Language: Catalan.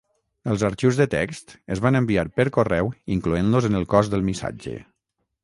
Els arxius de text es van enviar per correu incloent-los en el cos del missatge.